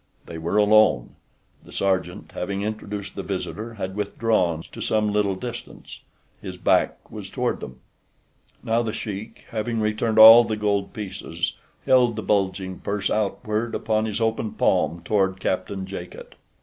They were alone. The sergeant, having introduced the visitor, had withdrawn to some little distance—his back was toward them. Now the sheik, having returned all the gold pieces, held the bulging purse outward upon his open palm toward Captain Jacot.